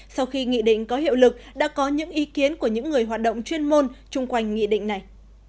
sau khi nghị định có hiệu lực đã có những ý kiến của những người hoạt động chuyên môn chung quanh nghị định này